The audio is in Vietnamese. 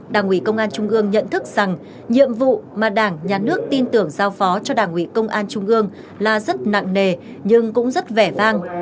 đảng ủy công an trung ương nhận thức rằng nhiệm vụ mà đảng nhà nước tin tưởng giao phó cho đảng ủy công an trung ương là rất nặng nề nhưng cũng rất vẻ vang